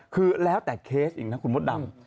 คือแล้วแต่เคสอีกนะคุณมดดำ